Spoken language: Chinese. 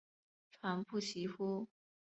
传不习乎？